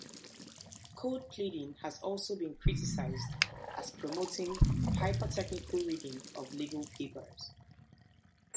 Code pleading has also been criticized as promoting "hypertechnical reading of legal papers".